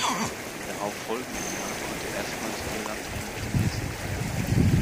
Im darauf folgenden Jahr konnte erstmals Irland einen Turniersieg feiern.